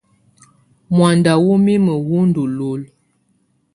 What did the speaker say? Muanda wɔ́ mimǝ́ wú ndɔ́ lulǝ́.